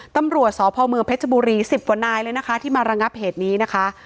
ตำรวจสพเมืองเพชรบุรี๑๐กว่านายเลยนะคะที่มาระงับเหตุนี้นะคะ